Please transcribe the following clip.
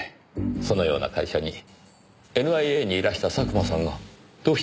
そのような会社にＮＩＡにいらした佐久間さんがどうして？